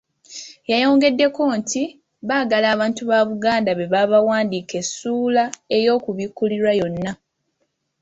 Yayongeddeko nti baagala abantu ba Buganda be baba bawandiika essuula y'okubikkulirwa yonna.